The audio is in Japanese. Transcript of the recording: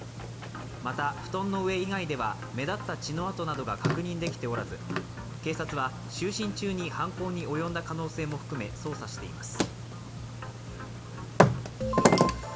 また、布団の上以外では目立った血の跡などが確認できておらず警察は就寝中に犯行に及んだ可能性も含め、捜査しています。